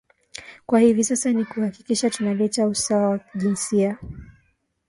Kwa hivi sasa ni kuhakikisha tunaleta usawa wa kijinsia